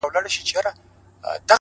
د ظالم لور!!